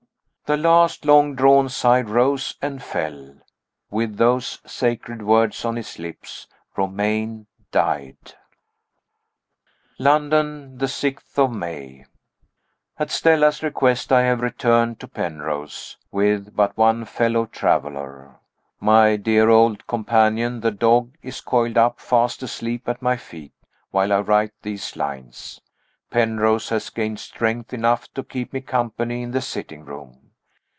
The last long drawn sigh rose and fell. With those sacred words on his lips, Romayne died. London, 6th May. At Stella's request, I have returned to Penrose with but one fellow traveler. My dear old companion, the dog, is coiled up, fast asleep at my feet, while I write these lines. Penrose has gained strength enough to keep me company in the sitting room.